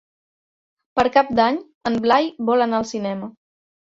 Per Cap d'Any en Blai vol anar al cinema.